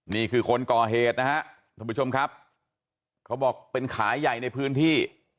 นี่คือคนก่อเหตุนะฮะท่านผู้ชมครับเขาบอกเป็นขาใหญ่ในพื้นที่